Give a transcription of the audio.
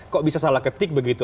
kok bisa salah ketik begitu